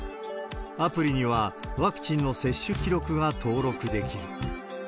アプリにはワクチンの接種記録が登録できる。